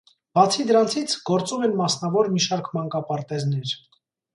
Բացի դրանցից, գործում են մասնավոր մի շարք մանկապարտեզներ։